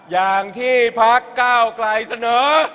อย่างที่พักก้าวไกลเสนอ